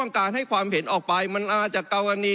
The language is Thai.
ส่อมการให้ความเห็นออกไปมันหนาจากกรรมนี้